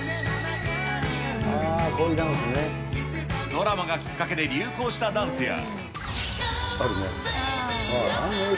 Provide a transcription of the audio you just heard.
ドラマがきっかけで流行したダンスや。